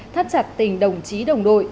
thắt chặt tình đồng chí đồng đội